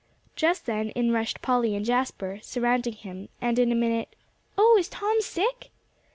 Just then in rushed Polly and Jasper, surrounding him, and in a minute, "Oh, is Tom sick?"